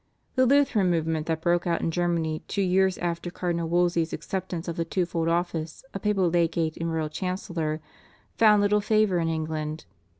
The Lutheran movement that broke out in Germany two years after Cardinal Wolsey's acceptance of the twofold office of papal legate and royal chancellor, found little favour in England.